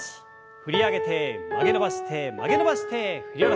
振り上げて曲げ伸ばして曲げ伸ばして振り下ろす。